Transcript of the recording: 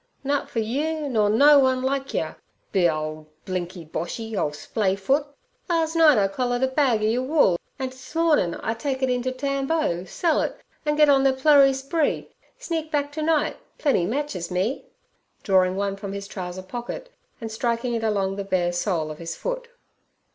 'Nut fer you nur no one like yer, b—— old blinky Boshy, ole splay foot! Lars night I collared a bag er yer wool, an' ter smornin' I'll take it into Tambo, sell it, an' git on ther plurry spree, sneak back ter night, plenty matches me,' drawing one from his trouser pocket and striking it along the bare sole of his foot.